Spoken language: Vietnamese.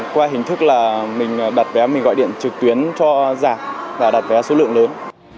qua hình thức là mình đặt vé mình gọi điện trực tuyến cho giả và đặt vé số lượng lớn